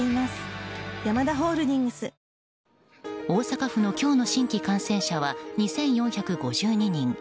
大阪府の今日の新規感染者は２４５２人。